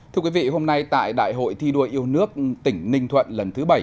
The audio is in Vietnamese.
thưa quý vị hôm nay tại đại hội thi đua yêu nước tỉnh ninh thuận lần thứ bảy